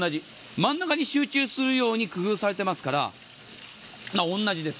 真ん中に集中するように工夫されていますから同じです。